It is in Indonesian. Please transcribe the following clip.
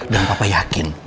dan papa yakin